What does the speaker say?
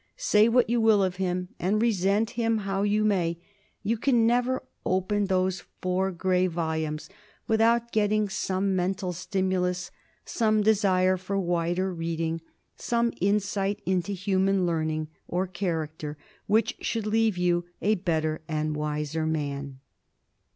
Say what you will of him, and resent him how you may, you can never open those four grey volumes without getting some mental stimulus, some desire for wider reading, some insight into human learning or character, which should leave you a better and a wiser man.